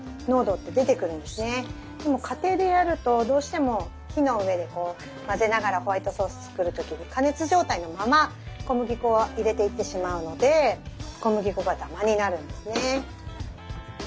でも家庭でやるとどうしても火の上でこう混ぜながらホワイトソース作る時に加熱状態のまま小麦粉を入れていってしまうので小麦粉がダマになるんですね。